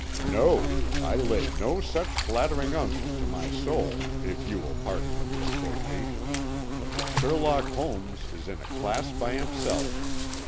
"No. I lay no such flattering unction to my soul, if you will pardon the misquotation. Sherlock Holmes is in a class by himself.